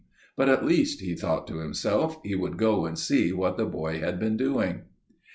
But at least, he thought to himself, he would go and see what the boy had been doing.